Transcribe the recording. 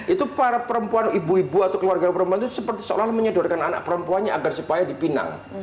itu para perempuan ibu ibu atau keluarga perempuan itu seperti seolah olah menyedorkan anak perempuannya agar supaya dipinang